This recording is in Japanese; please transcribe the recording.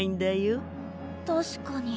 確かに。